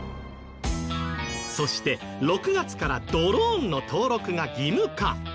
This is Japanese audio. そして６月からドローンの登録が義務化。